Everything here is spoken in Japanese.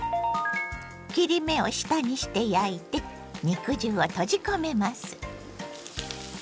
切り目を下にして焼いて肉汁を閉じ込めます。